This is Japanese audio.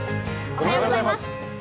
おはようございます。